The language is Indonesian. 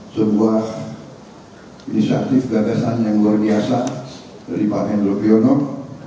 sebuah inisiatif gagasan yang luar biasa dari pak hendro piyono